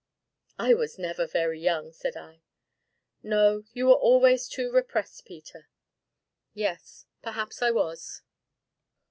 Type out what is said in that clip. "I was never very young!" said I. "No, you were always too repressed, Peter." "Yes, perhaps I was."